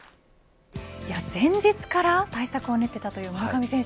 前日から対策を練っていたという村上選手。